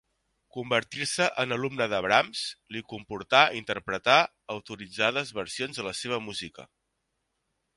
Convertir-se en alumne de Brahms li comportà interpretar autoritzades versions de la seva música.